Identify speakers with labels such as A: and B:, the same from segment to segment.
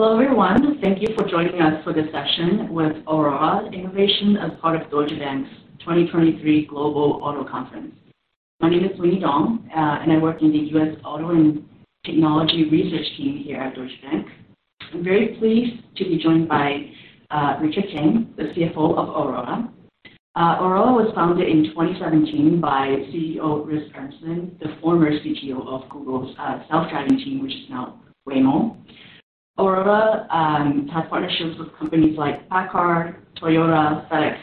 A: Hello everyone, thank you for joining us for this session with Aurora Innovation as part of Deutsche Bank's 2023 Global Auto Conference. My name is Winnie Dong, and I work in the U.S. Auto and Technology Research team here at Deutsche Bank. I'm very pleased to be joined by Richard Tame, the CFO of Aurora. Aurora was founded in 2017 by CEO Chris Urmson, the former CTO of Google's self-driving team, which is now Waymo. Aurora has partnerships with companies like PACCAR, Toyota, FedEx,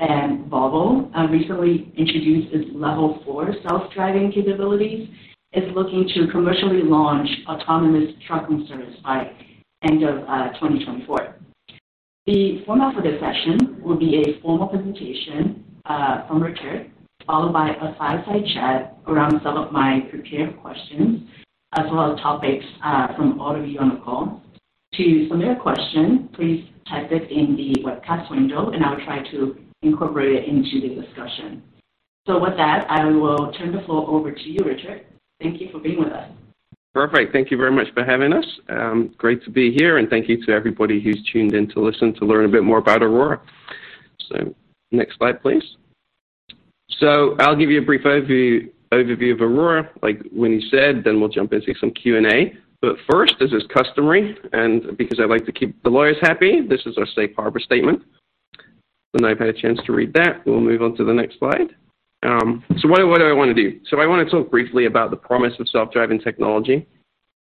A: and Volvo. Recently introduced its Level 4 self-driving capabilities. It's looking to commercially launch autonomous trucking service by the end of 2024. The format for this session will be a formal presentation from Richard, followed by a fireside chat around some of my prepared questions, as well as topics from all of you on the call. To submit a question, please type it in the webcast window, and I'll try to incorporate it into the discussion. So with that, I will turn the floor over to you, Richard. Thank you for being with us.
B: Perfect, thank you very much for having us. Great to be here, and thank you to everybody who's tuned in to listen to learn a bit more about Aurora. So next slide, please. So I'll give you a brief overview of Aurora, like Winnie said, then we'll jump into some Q&A. But first, this is customary, and because I like to keep the lawyers happy, this is our safe harbor statement. And I've had a chance to read that. We'll move on to the next slide. So what do I want to do? So I want to talk briefly about the promise of self-driving technology,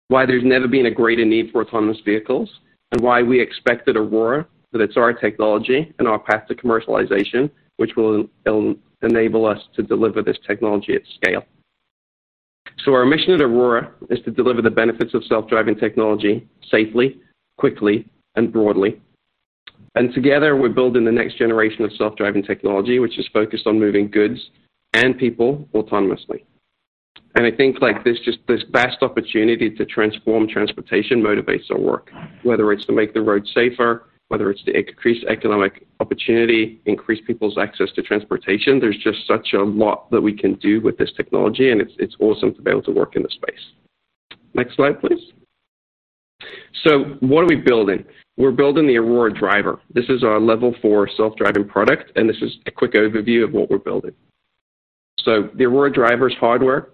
B: why there's never been a greater need for autonomous vehicles, and why we expect at Aurora that it's our technology and our path to commercialization, which will enable us to deliver this technology at scale. Our mission at Aurora is to deliver the benefits of self-driving technology safely, quickly, and broadly. And together, we're building the next generation of self-driving technology, which is focused on moving goods and people autonomously. And I think this just vast opportunity to transform transportation motivates our work, whether it's to make the roads safer, whether it's to increase economic opportunity, increase people's access to transportation. There's just such a lot that we can do with this technology, and it's awesome to be able to work in this space. Next slide, please. So what are we building? We're building the Aurora Driver. This is our Level 4 self-driving product, and this is a quick overview of what we're building. So the Aurora Driver's hardware,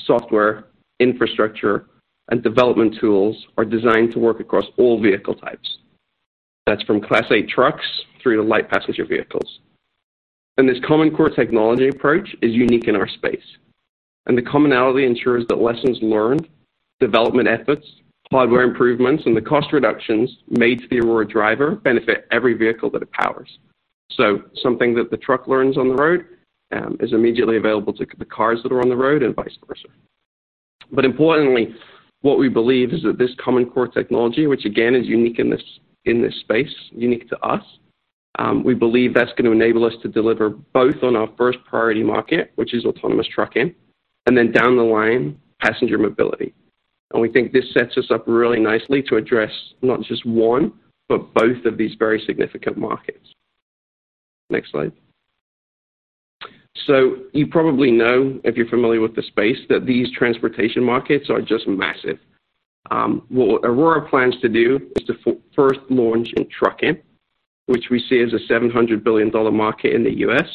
B: software, infrastructure, and development tools are designed to work across all vehicle types. That's from Class 8 trucks through to light passenger vehicles. And this common core technology approach is unique in our space. And the commonality ensures that lessons learned, development efforts, hardware improvements, and the cost reductions made to the Aurora Driver benefit every vehicle that it powers. So something that the truck learns on the road is immediately available to the cars that are on the road and vice versa. But importantly, what we believe is that this common core technology, which again is unique in this space, unique to us, we believe that's going to enable us to deliver both on our first priority market, which is autonomous trucking, and then down the line, passenger mobility. And we think this sets us up really nicely to address not just one, but both of these very significant markets. Next slide. So you probably know, if you're familiar with the space, that these transportation markets are just massive. What Aurora plans to do is to first launch in trucking, which we see as a $700 billion market in the U.S.,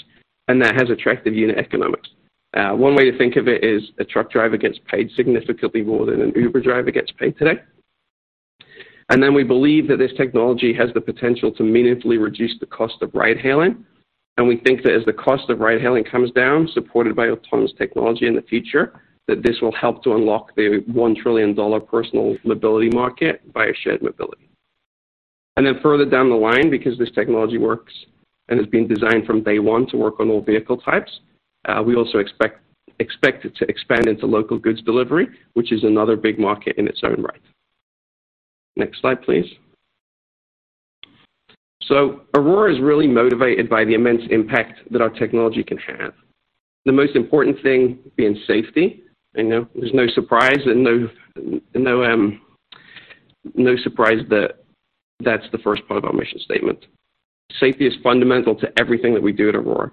B: and that has attractive unit economics. One way to think of it is a truck driver gets paid significantly more than an Uber driver gets paid today, and then we believe that this technology has the potential to meaningfully reduce the cost of ride-hailing, and we think that as the cost of ride-hailing comes down, supported by autonomous technology in the future, that this will help to unlock the $1 trillion personal mobility market by shared mobility, and then further down the line, because this technology works and has been designed from day one to work on all vehicle types, we also expect it to expand into local goods delivery, which is another big market in its own right. Next slide, please. So Aurora is really motivated by the immense impact that our technology can have. The most important thing being safety. And there's no surprise that that's the first part of our mission statement. Safety is fundamental to everything that we do at Aurora.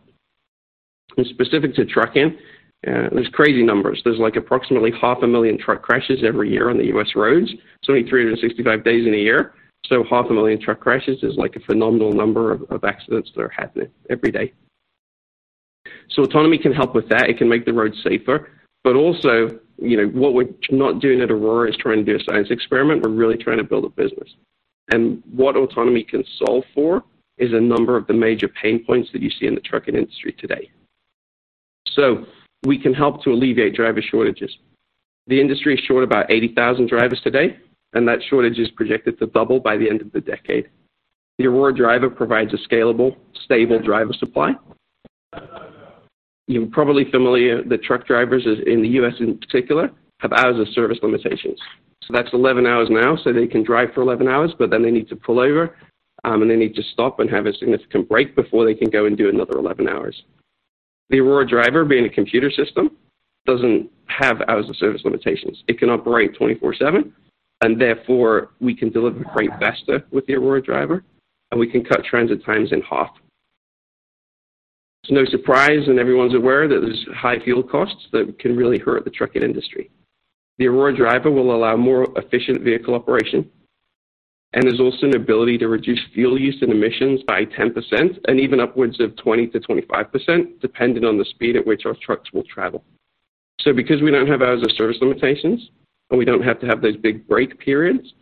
B: And specific to trucking, there's crazy numbers. There's like approximately 500,000 truck crashes every year on the U.S. roads, so only 365 days in a year. So 500,000 truck crashes is like a phenomenal number of accidents that are happening every day. So autonomy can help with that. It can make the roads safer. But also, what we're not doing at Aurora is trying to do a science experiment. We're really trying to build a business. And what autonomy can solve for is a number of the major pain points that you see in the trucking industry today. So we can help to alleviate driver shortages. The industry is short about 80,000 drivers today, and that shortage is projected to double by the end of the decade. The Aurora Driver provides a scalable, stable driver supply. You're probably familiar. The truck drivers in the U.S. in particular have hours of service limitations. That's 11 hours now, so they can drive for 11 hours, but then they need to pull over, and they need to stop and have a significant break before they can go and do another 11 hours. The Aurora Driver, being a computer system, doesn't have hours of service limitations. It can operate 24/7, and therefore we can deliver freight faster with the Aurora Driver, and we can cut transit times in half. It's no surprise, and everyone's aware that there's high fuel costs that can really hurt the trucking industry. The Aurora Driver will allow more efficient vehicle operation, and there's also an ability to reduce fuel use and emissions by 10% and even upwards of 20%-25%, depending on the speed at which our trucks will travel. So because we don't have hours of service limitations, and we don't have to have those big break periods,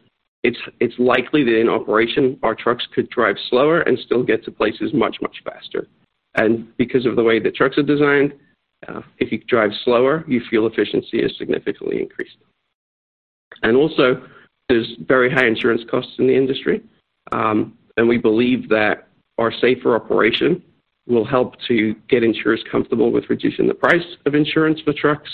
B: it's likely that in operation our trucks could drive slower and still get to places much, much faster. And because of the way the trucks are designed, if you drive slower, you feel efficiency is significantly increased. And also, there's very high insurance costs in the industry, and we believe that our safer operation will help to get insurers comfortable with reducing the price of insurance for trucks.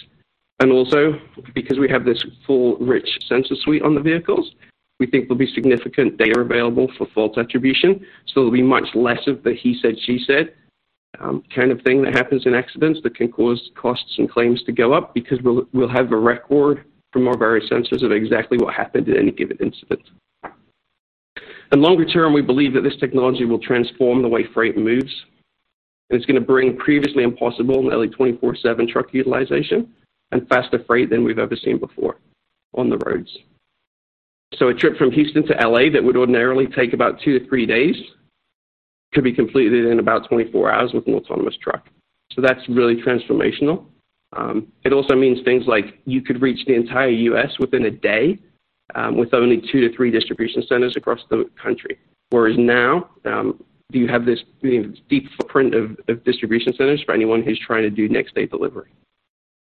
B: And also, because we have this full rich sensor suite on the vehicles, we think there'll be significant data available for fault attribution. So there'll be much less of the he said, she said kind of thing that happens in accidents that can cause costs and claims to go up because we'll have a record from our various sensors of exactly what happened in any given incident, and longer term, we believe that this technology will transform the way freight moves, and it's going to bring previously impossible nearly 24/7 truck utilization and faster freight than we've ever seen before on the roads, so a trip from Houston to L.A. that would ordinarily take about two to three days could be completed in about 24 hours with an autonomous truck, so that's really transformational. It also means things like you could reach the entire U.S. within a day with only two to three distribution centers across the country. Whereas now, you have this deep footprint of distribution centers for anyone who's trying to do next-day delivery.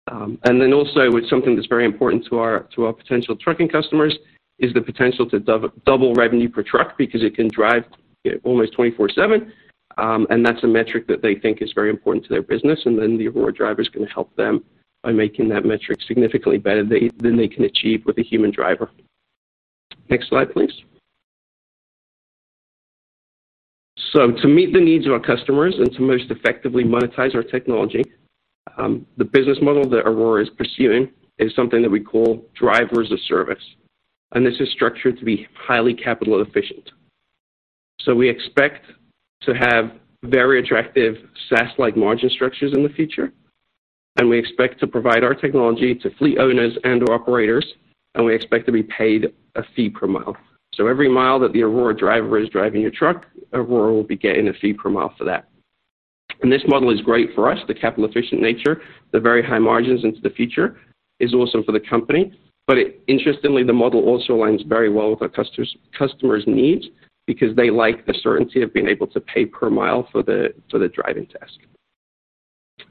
B: And then also, it's something that's very important to our potential trucking customers: the potential to double revenue per truck because it can drive almost 24/7. And that's a metric that they think is very important to their business. And then the Aurora Driver is going to help them by making that metric significantly better than they can achieve with a human driver. Next slide, please. So to meet the needs of our customers and to most effectively monetize our technology, the business model that Aurora is pursuing is something that we call Driver-as-a-Service. And this is structured to be highly capital efficient. So we expect to have very attractive SaaS-like margin structures in the future. And we expect to provide our technology to fleet owners and/or operators. And we expect to be paid a fee per mile. So every mile that the Aurora Driver is driving your truck, Aurora will be getting a fee per mile for that. And this model is great for us, the capital efficient nature, the very high margins into the future is awesome for the company. But interestingly, the model also aligns very well with our customers' needs because they like the certainty of being able to pay per mile for the driving task.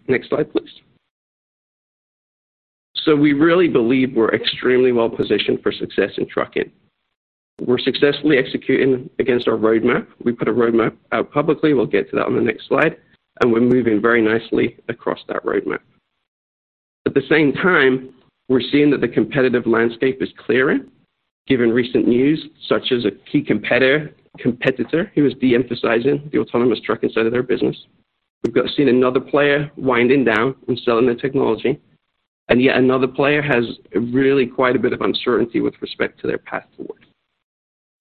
B: Next slide, please. So we really believe we're extremely well positioned for success in trucking. We're successfully executing against our roadmap. We put a roadmap out publicly. We'll get to that on the next slide. And we're moving very nicely across that roadmap. At the same time, we're seeing that the competitive landscape is clearing given recent news such as a key competitor who is de-emphasizing the autonomous truck inside of their business. We've seen another player winding down and selling the technology, and yet another player has really quite a bit of uncertainty with respect to their path forward,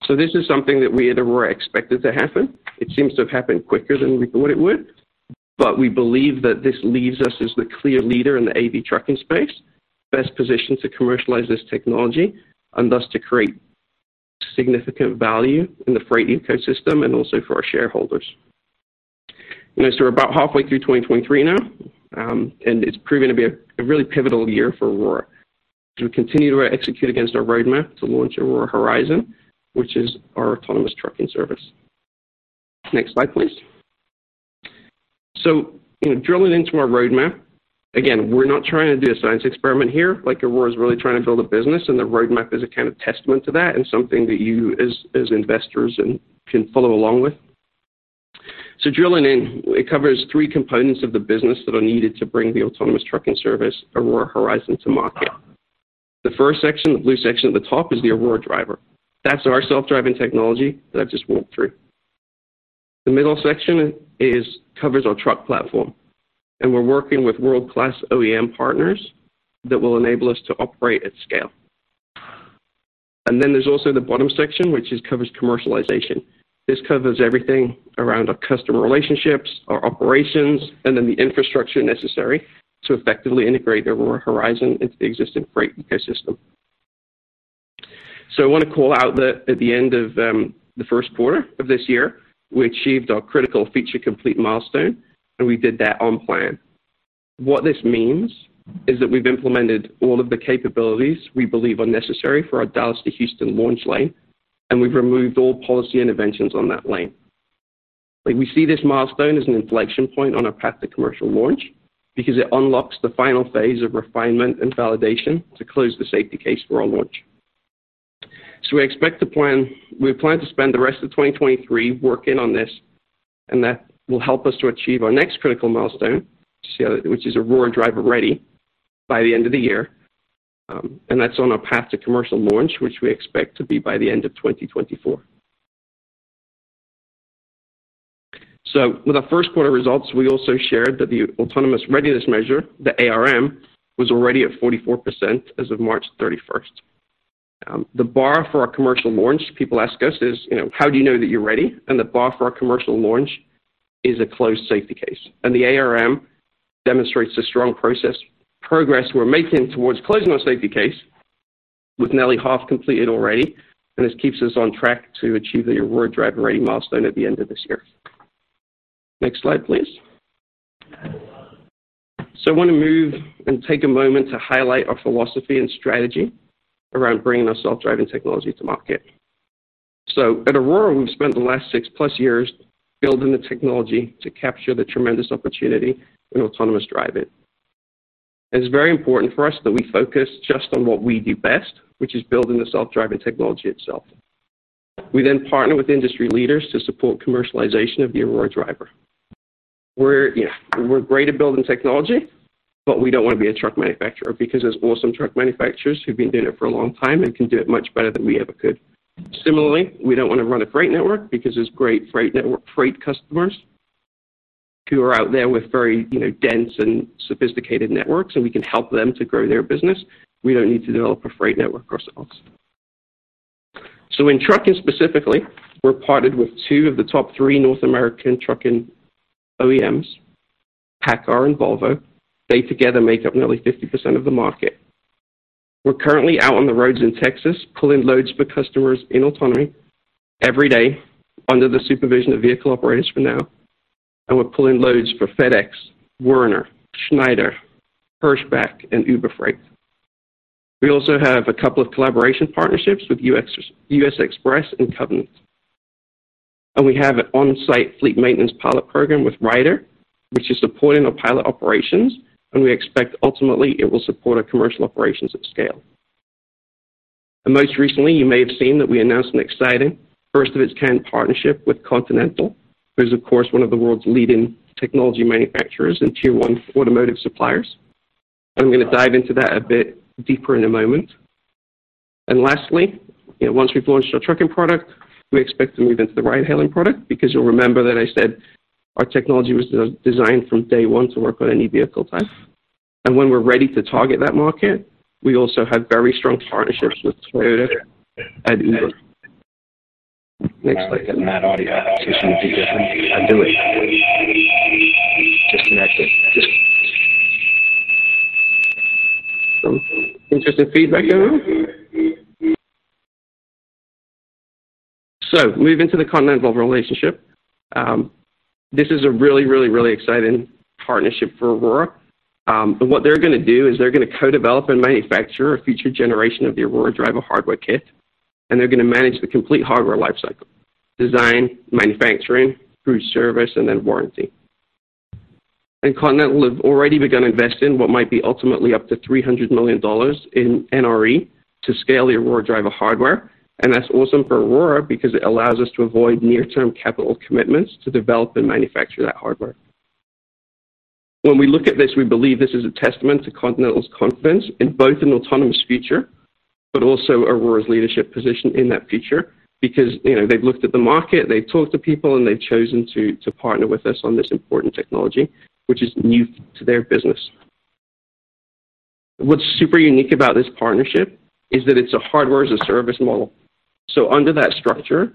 B: so this is something that we at Aurora expected to happen. It seems to have happened quicker than we thought it would, but we believe that this leaves us as the clear leader in the AV trucking space, best positioned to commercialize this technology and thus to create significant value in the freight ecosystem and also for our shareholders, so we're about halfway through 2023 now, and it's proving to be a really pivotal year for Aurora. We continue to execute against our roadmap to launch Aurora Horizon, which is our autonomous trucking service. Next slide, please. So drilling into our roadmap, again, we're not trying to do a science experiment here. Like Aurora is really trying to build a business, and the roadmap is a kind of testament to that and something that you as investors can follow along with. So drilling in, it covers three components of the business that are needed to bring the autonomous trucking service Aurora Horizon to market. The first section, the blue section at the top, is the Aurora Driver. That's our self-driving technology that I've just walked through. The middle section covers our truck platform, and we're working with world-class OEM partners that will enable us to operate at scale. And then there's also the bottom section, which covers commercialization. This covers everything around our customer relationships, our operations, and then the infrastructure necessary to effectively integrate Aurora Horizon into the existing freight ecosystem. So I want to call out that at the end of the first quarter of this year, we achieved our critical feature complete milestone, and we did that on plan. What this means is that we've implemented all of the capabilities we believe are necessary for our Dallas to Houston launch lane, and we've removed all policy interventions on that lane. We see this milestone as an inflection point on our path to commercial launch because it unlocks the final phase of refinement and validation to close the safety case for our launch. We plan to spend the rest of 2023 working on this, and that will help us to achieve our next critical milestone, which is Aurora Driver ready by the end of the year. That's on our path to commercial launch, which we expect to be by the end of 2024. With our first quarter results, we also shared that the Autonomous Readiness Measure, the ARM, was already at 44% as of March 31st. The bar for our commercial launch, people ask us, is how do you know that you're ready? The bar for our commercial launch is a closed safety case. The ARM demonstrates the strong progress we're making towards closing our safety case with nearly half completed already. This keeps us on track to achieve the Aurora Driver ready milestone at the end of this year. Next slide, please. So I want to move and take a moment to highlight our philosophy and strategy around bringing our self-driving technology to market. So at Aurora, we've spent the last six plus years building the technology to capture the tremendous opportunity in autonomous driving. It's very important for us that we focus just on what we do best, which is building the self-driving technology itself. We then partner with industry leaders to support commercialization of the Aurora Driver. We're great at building technology, but we don't want to be a truck manufacturer because there's awesome truck manufacturers who've been doing it for a long time and can do it much better than we ever could. Similarly, we don't want to run a freight network because there's great freight customers who are out there with very dense and sophisticated networks, and we can help them to grow their business. We don't need to develop a freight network ourselves, so in trucking specifically, we're partnered with two of the top three North American trucking OEMs, PACCAR and Volvo. They together make up nearly 50% of the market. We're currently out on the roads in Texas, pulling loads for customers in autonomy every day under the supervision of vehicle operators for now, and we're pulling loads for FedEx, Werner, Schneider, Hirschbach, and Uber Freight. We also have a couple of collaboration partnerships with U.S. Xpress and Covenant, and we have an on-site fleet maintenance pilot program with Ryder, which is supporting our pilot operations, and we expect ultimately it will support our commercial operations at scale, and most recently, you may have seen that we announced an exciting first-of-its-kind partnership with Continental, who is, of course, one of the world's leading technology manufacturers and tier one automotive suppliers. And I'm going to dive into that a bit deeper in a moment. And lastly, once we've launched our trucking product, we expect to move into the ride-hailing product because you'll remember that I said our technology was designed from day one to work on any vehicle type. And when we're ready to target that market, we also have very strong partnerships with Toyota and Uber. Next slide. So moving to the Continental relationship. This is a really, really, really exciting partnership for Aurora. And what they're going to do is they're going to co-develop and manufacture a future generation of the Aurora Driver hardware kit. And they're going to manage the complete hardware lifecycle: design, manufacturing, customer service, and then warranty. Continental have already begun investing in what might be ultimately up to $300 million in NRE to scale the Aurora Driver hardware. That's awesome for Aurora because it allows us to avoid near-term capital commitments to develop and manufacture that hardware. When we look at this, we believe this is a testament to Continental's confidence in both an autonomous future, but also Aurora's leadership position in that future because they've looked at the market, they've talked to people, and they've chosen to partner with us on this important technology, which is new to their business. What's super unique about this partnership is that it's a hardware as a service model. Under that structure,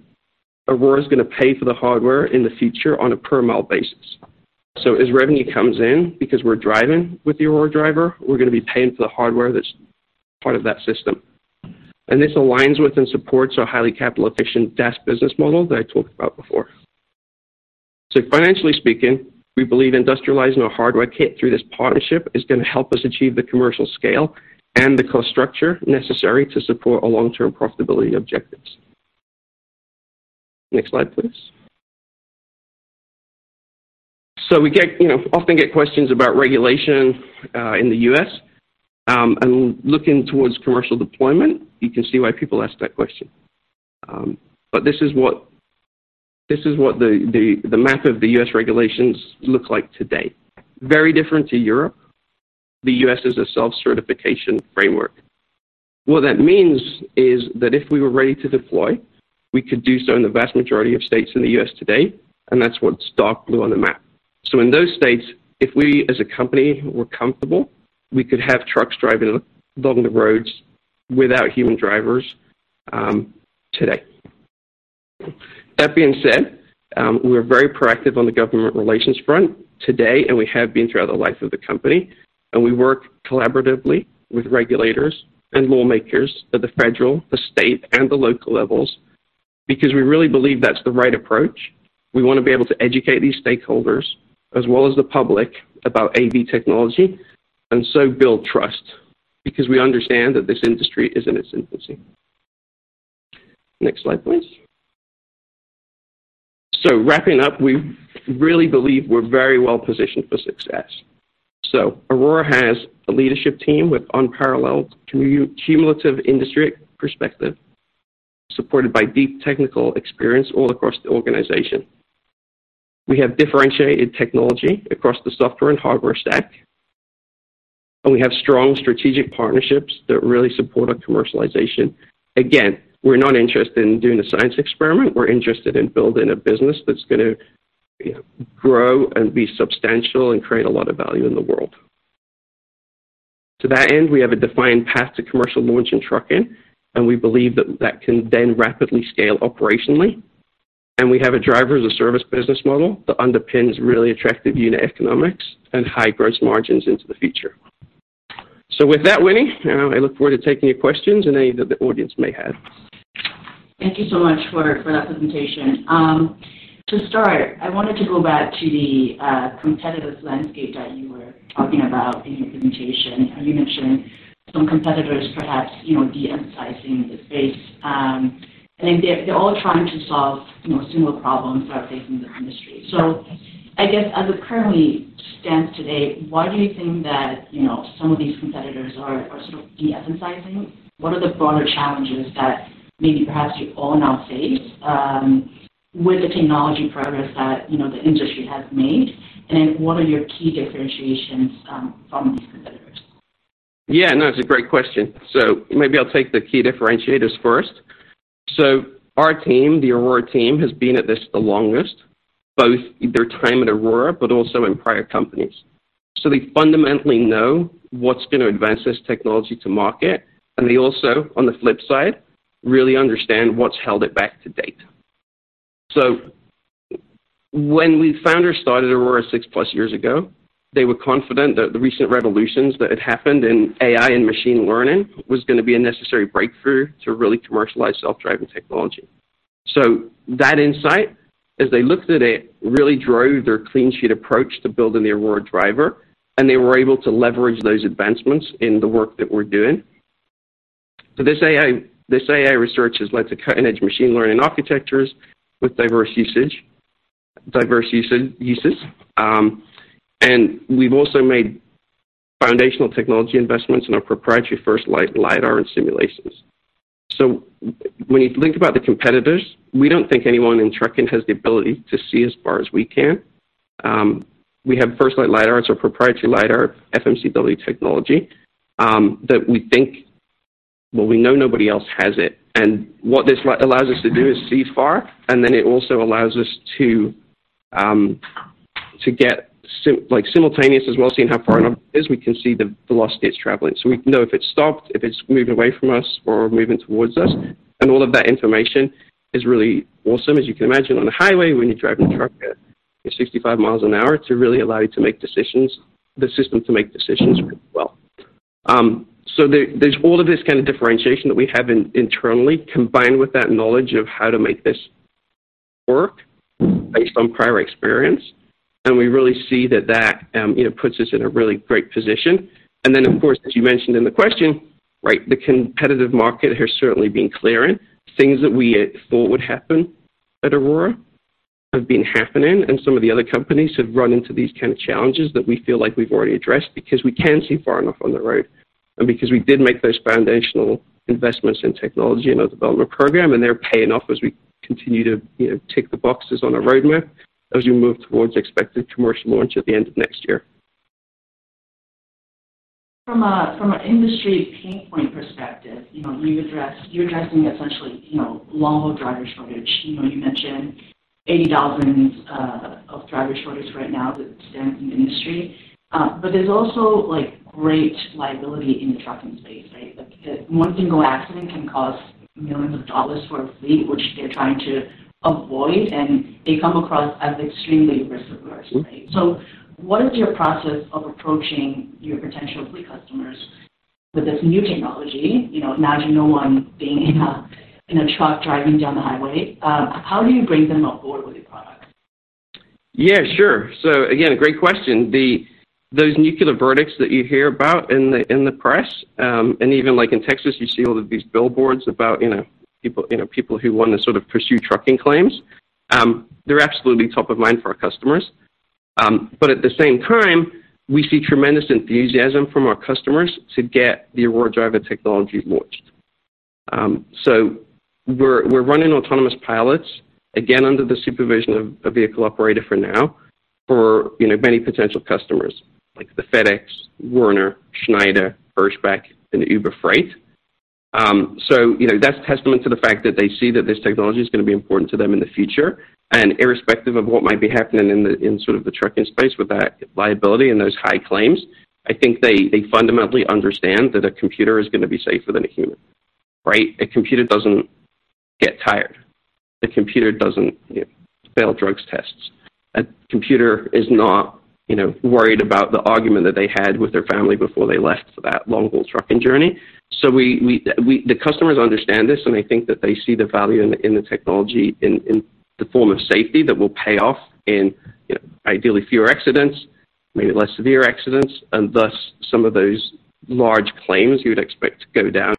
B: Aurora is going to pay for the hardware in the future on a per-mile basis. As revenue comes in, because we're driving with the Aurora Driver, we're going to be paying for the hardware that's part of that system. And this aligns with and supports our highly capital-intensive DaaS business model that I talked about before. Financially speaking, we believe industrializing our hardware kit through this partnership is going to help us achieve the commercial scale and the cost structure necessary to support our long-term profitability objectives. Next slide, please. We often get questions about regulation in the U.S. Looking towards commercial deployment, you can see why people ask that question. This is what the map of the U.S. regulations looks like today. Very different to Europe. The U.S. is a self-certification framework. What that means is that if we were ready to deploy, we could do so in the vast majority of states in the U.S. today. And that's what's dark blue on the map. So in those states, if we as a company were comfortable, we could have trucks driving along the roads without human drivers today. That being said, we're very proactive on the government relations front today, and we have been throughout the life of the company. And we work collaboratively with regulators and lawmakers at the federal, the state, and the local levels because we really believe that's the right approach. We want to be able to educate these stakeholders as well as the public about AV technology and so build trust because we understand that this industry is in its infancy. Next slide, please. So wrapping up, we really believe we're very well positioned for success. So Aurora has a leadership team with unparalleled cumulative industry perspective supported by deep technical experience all across the organization. We have differentiated technology across the software and hardware stack. And we have strong strategic partnerships that really support our commercialization. Again, we're not interested in doing a science experiment. We're interested in building a business that's going to grow and be substantial and create a lot of value in the world. To that end, we have a defined path to commercial launch and trucking. And we believe that that can then rapidly scale operationally. And we have a Driver-as-a-Service business model that underpins really attractive unit economics and high gross margins into the future. So with that, Winnie, I look forward to taking your questions and any that the audience may have.
A: Thank you so much for that presentation. To start, I wanted to go back to the competitive landscape that you were talking about in your presentation. You mentioned some competitors perhaps de-emphasizing the space. They're all trying to solve similar problems that are facing the industry. So I guess as it currently stands today, why do you think that some of these competitors are sort of de-emphasizing? What are the broader challenges that maybe perhaps you all now face with the technology progress that the industry has made? And then what are your key differentiations from these competitors?
B: Yeah, no, that's a great question. So maybe I'll take the key differentiators first. So our team, the Aurora team, has been at this the longest, both their time at Aurora, but also in prior companies. So they fundamentally know what's going to advance this technology to market. And they also, on the flip side, really understand what's held it back to date. So when we founders started Aurora six plus years ago, they were confident that the recent revolutions that had happened in AI and machine learning was going to be a necessary breakthrough to really commercialize self-driving technology. So that insight, as they looked at it, really drove their clean sheet approach to building the Aurora Driver. And they were able to leverage those advancements in the work that we're doing. So this AI research has led to cutting-edge machine learning architectures with diverse uses. And we've also made foundational technology investments in our proprietary FirstLight Lidar and simulations. So when you think about the competitors, we don't think anyone in trucking has the ability to see as far as we can. We have FirstLight Lidar, it's our proprietary Lidar FMCW technology that we think, well, we know nobody else has it. And what this allows us to do is see far. And then it also allows us to get simultaneous as well, seeing how far enough it is. We can see the velocity it's traveling. So we can know if it's stopped, if it's moving away from us or moving towards us. And all of that information is really awesome. As you can imagine, on a highway, when you're driving a truck at 65 miles an hour, to really allow you to make decisions, the system to make decisions really well. So there's all of this kind of differentiation that we have internally combined with that knowledge of how to make this work based on prior experience. And we really see that that puts us in a really great position. And then, of course, as you mentioned in the question, right, the competitive market has certainly been clearing. Things that we thought would happen at Aurora have been happening, and some of the other companies have run into these kinds of challenges that we feel like we've already addressed because we can see far enough on the road, and because we did make those foundational investments in technology and our development program, and they're paying off as we continue to tick the boxes on our roadmap as we move towards expected commercial launch at the end of next year.
A: From an industry pain point perspective, you're addressing essentially long-haul driver shortage. You mentioned 80,000 of driver shortage right now. That stands in the industry. But there's also great liability in the trucking space, right? One single accident can cost millions of dollars for a fleet, which they're trying to avoid, and they come across as extremely risk averse, right? So what is your process of approaching your potential fleet customers with this new technology? Imagine no one being in a truck driving down the highway. How do you bring them on board with your product?
B: Yeah, sure. So again, a great question. Those nuclear verdicts that you hear about in the press, and even in Texas, you see all of these billboards about people who want to sort of pursue trucking claims. They're absolutely top of mind for our customers. But at the same time, we see tremendous enthusiasm from our customers to get the Aurora Driver technology launched. So we're running autonomous pilots, again, under the supervision of a vehicle operator for now, for many potential customers like the FedEx, Werner, Schneider, Hirschbach, and Uber Freight. So that's a testament to the fact that they see that this technology is going to be important to them in the future. And irrespective of what might be happening in sort of the trucking space with that liability and those high claims, I think they fundamentally understand that a computer is going to be safer than a human, right? A computer doesn't get tired. A computer doesn't fail drugs tests. A computer is not worried about the argument that they had with their family before they left for that long-haul trucking journey. So the customers understand this, and I think that they see the value in the technology in the form of safety that will pay off in ideally fewer accidents, maybe less severe accidents, and thus some of those large claims you would expect to go down.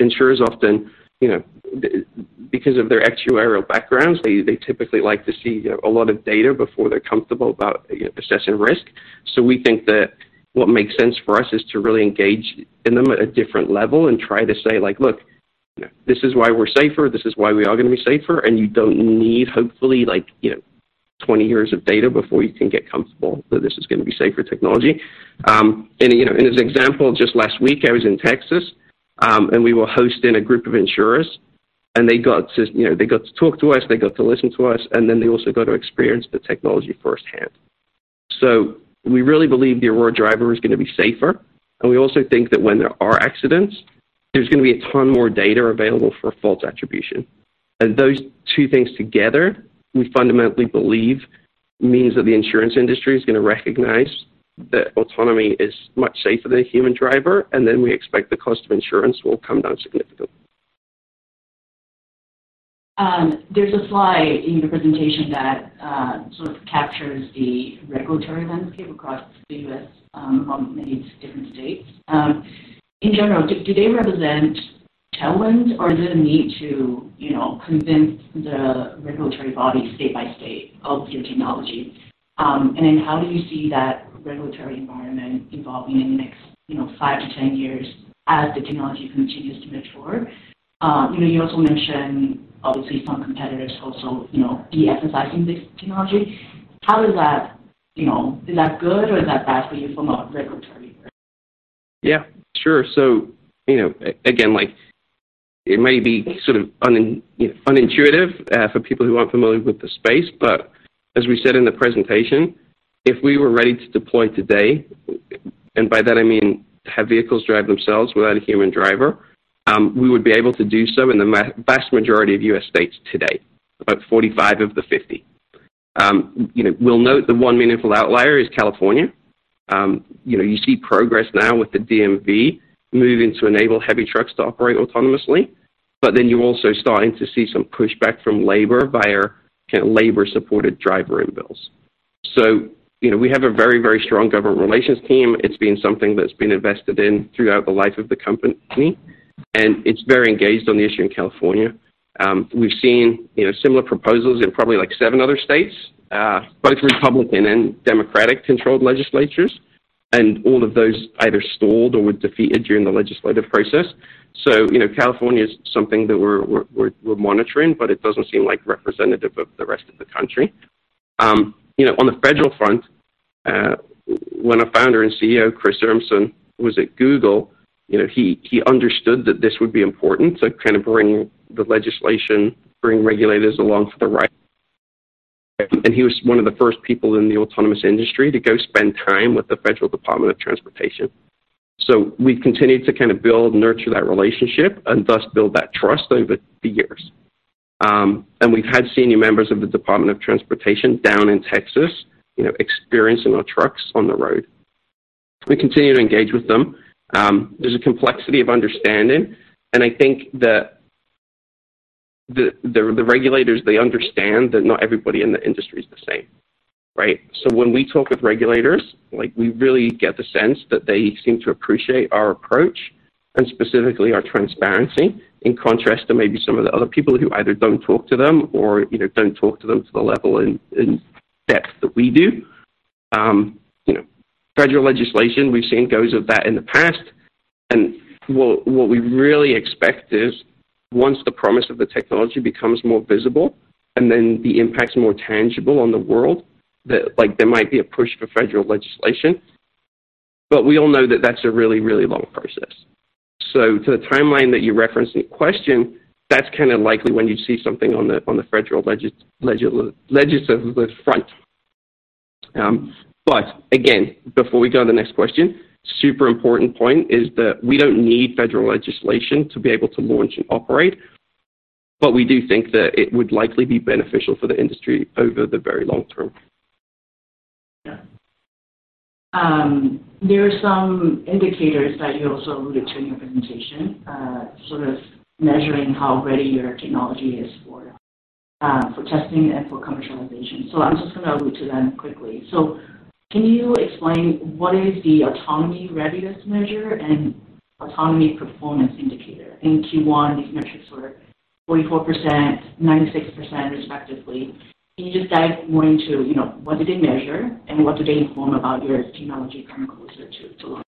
B: Insurers often, because of their actuarial backgrounds, they typically like to see a lot of data before they're comfortable about assessing risk. So we think that what makes sense for us is to really engage in them at a different level and try to say, "Look, this is why we're safer. This is why we are going to be safer. And you don't need, hopefully, 20 years of data before you can get comfortable that this is going to be safer technology." And as an example, just last week, I was in Texas, and we were hosting a group of insurers. And they got to talk to us. They got to listen to us. And then they also got to experience the technology firsthand. So we really believe the Aurora Driver is going to be safer. And we also think that when there are accidents, there's going to be a ton more data available for fault attribution. And those two things together, we fundamentally believe, means that the insurance industry is going to recognize that autonomy is much safer than a human driver. And then we expect the cost of insurance will come down significantly.
A: There's a slide in your presentation that sort of captures the regulatory landscape across the U.S. among many different states. In general, do they represent Tailwind, or is there a need to convince the regulatory body state by state of your technology? And then how do you see that regulatory environment evolving in the next five to 10 years as the technology continues to mature? You also mentioned, obviously, some competitors also de-emphasizing this technology. How is that? Is that good, or is that bad for you from a regulatory perspective?
B: Yeah, sure. So again, it may be sort of unintuitive for people who aren't familiar with the space. But as we said in the presentation, if we were ready to deploy today, and by that, I mean have vehicles drive themselves without a human driver, we would be able to do so in the vast majority of U.S. states today, about 45 of the 50. We'll note the one meaningful outlier is California. You see progress now with the DMV moving to enable heavy trucks to operate autonomously. But then you're also starting to see some pushback from labor via labor-supported driver-in bills. So we have a very, very strong government relations team. It's been something that's been invested in throughout the life of the company. And it's very engaged on the issue in California. We've seen similar proposals in probably like seven other states, both Republican and Democratic-controlled legislatures. All of those either stalled or were defeated during the legislative process. California is something that we're monitoring, but it doesn't seem like representative of the rest of the country. On the federal front, when our founder and CEO, Chris Urmson, was at Google, he understood that this would be important to kind of bring the legislation, bring regulators along for the ride. He was one of the first people in the autonomous industry to go spend time with the Department of Transportation. We've continued to kind of build, nurture that relationship, and thus build that trust over the years. We've had senior members of the Department of Transportation down in Texas experiencing our trucks on the road. We continue to engage with them. There's a complexity of understanding. I think that the regulators, they understand that not everybody in the industry is the same, right? So when we talk with regulators, we really get the sense that they seem to appreciate our approach and specifically our transparency in contrast to maybe some of the other people who either don't talk to them or don't talk to them to the level and depth that we do. Federal legislation, we've seen goals of that in the past. What we really expect is once the promise of the technology becomes more visible and then the impact's more tangible on the world, there might be a push for federal legislation. We all know that that's a really, really long process. To the timeline that you referenced in your question, that's kind of likely when you'd see something on the federal legislative front. But again, before we go to the next question, super important point is that we don't need federal legislation to be able to launch and operate. But we do think that it would likely be beneficial for the industry over the very long term.
A: Yeah. There are some indicators that you also alluded to in your presentation, sort of measuring how ready your technology is for testing and for commercialization. So I'm just going to allude to them quickly. So can you explain what is the Autonomy Readiness Measure and Autonomy Performance Indicator? In Q1, these metrics were 44%, 96%, respectively. Can you just dive more into what did they measure and what did they inform about your technology coming closer to launch?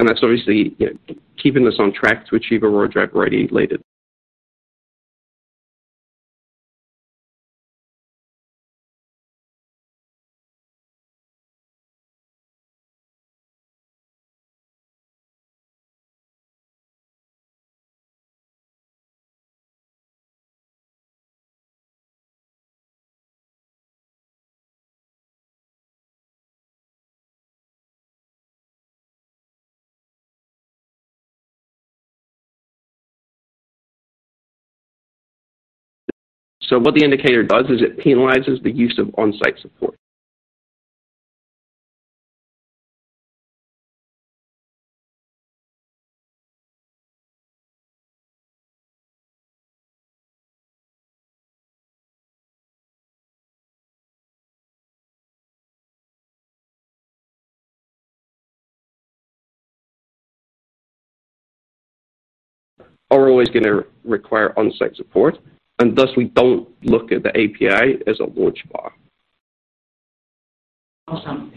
B: And that's obviously keeping us on track to achieve Aurora Driver ready later. So what the indicator does is it penalizes the use of on-site support. Aurora is going to require on-site support, and thus, we don't look at the API as a launch bar.
A: Awesome.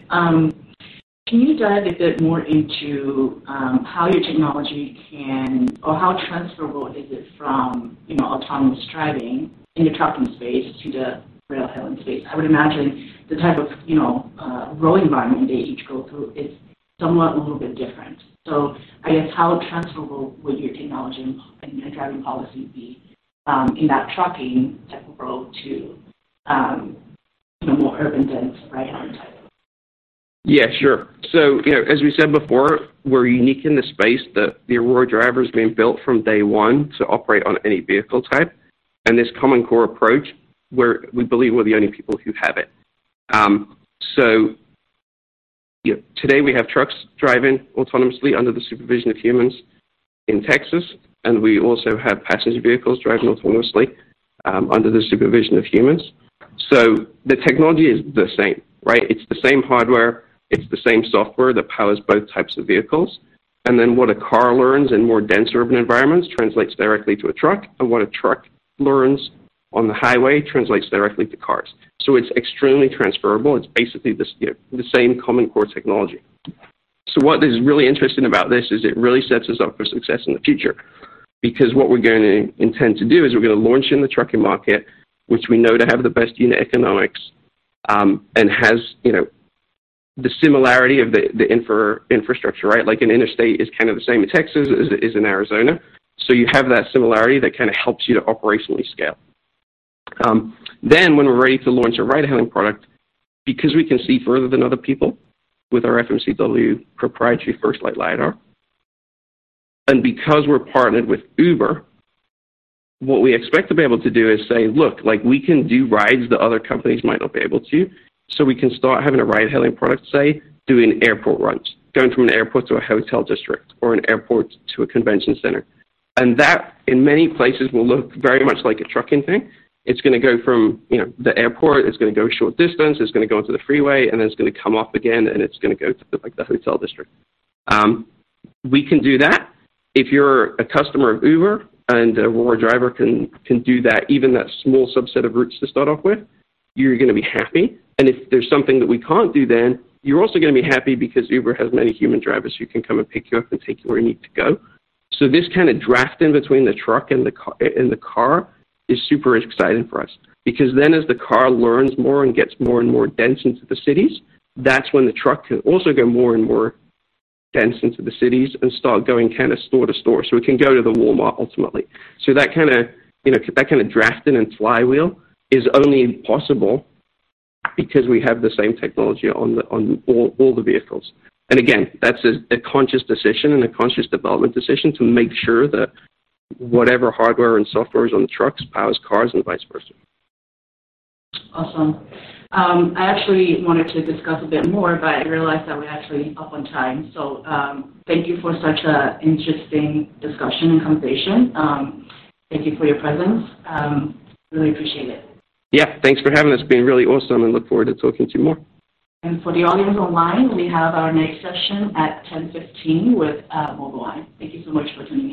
A: Can you dive a bit more into how your technology can or how transferable is it from autonomous driving in the trucking space to the ride-hail space? I would imagine the type of road environment they each go through is somewhat a little bit different, so I guess how transferable would your technology and driving policy be in that trucking type of road to more urban-dense ride-hail type?
B: Yeah, sure, so as we said before, we're unique in the space that the Aurora Driver has been built from day one to operate on any vehicle type. And this common core approach, we believe we're the only people who have it, so today, we have trucks driving autonomously under the supervision of humans in Texas. We also have passenger vehicles driving autonomously under the supervision of humans. So the technology is the same, right? It's the same hardware. It's the same software that powers both types of vehicles. And then what a car learns in more dense urban environments translates directly to a truck. And what a truck learns on the highway translates directly to cars. So it's extremely transferable. It's basically the same common core technology. So what is really interesting about this is it really sets us up for success in the future. Because what we're going to intend to do is we're going to launch in the trucking market, which we know to have the best unit economics and has the similarity of the infrastructure, right? Like an interstate is kind of the same in Texas as it is in Arizona. So you have that similarity that kind of helps you to operationally scale. Then when we're ready to launch a ride-hail product, because we can see further than other people with our FMCW proprietary FirstLight Lidar. And because we're partnered with Uber, what we expect to be able to do is say, "Look, we can do rides that other companies might not be able to." So we can start having a ride-hail product, say, doing airport runs, going from an airport to a hotel district or an airport to a convention center. And that, in many places, will look very much like a trucking thing. It's going to go from the airport. It's going to go a short distance. It's going to go into the freeway. And then it's going to come off again. And it's going to go to the hotel district. We can do that. If you're a customer of Uber and an Aurora Driver can do that, even that small subset of routes to start off with, you're going to be happy. And if there's something that we can't do, then you're also going to be happy because Uber has many human drivers who can come and pick you up and take you where you need to go. So this kind of drafting between the truck and the car is super exciting for us. Because then, as the car learns more and gets more and more dense into the cities, that's when the truck can also go more and more dense into the cities and start going kind of store to store. So it can go to the Walmart, ultimately. So that kind of drafting and flywheel is only possible because we have the same technology on all the vehicles. And again, that's a conscious decision and a conscious development decision to make sure that whatever hardware and software is on the trucks powers cars and vice versa.
A: Awesome. I actually wanted to discuss a bit more, but I realized that we're actually up on time. So thank you for such an interesting discussion and conversation. Thank you for your presence. Really appreciate it.
B: Yeah. Thanks for having us. It's been really awesome. And look forward to talking to you more.
A: And for the audience online, we have our next session at 10:15 A.M. with Mobileye. Thank you so much for attending.